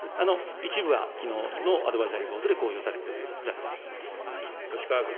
一部はきのうのアドバイザリーボードで公表されているということ吉川君。